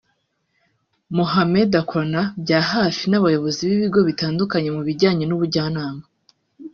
Mohamed akorana bya hafi n’abayobozi b’ibigo bitandukanye mu bijyanye n’ubujyanama